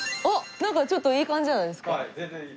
なんかちょっといい感じじゃないですか？